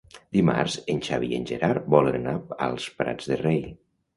Dimarts en Xavi i en Gerard volen anar als Prats de Rei.